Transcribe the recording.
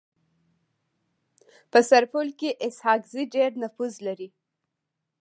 په سرپل کي اسحق زي د ډير نفوذ لري.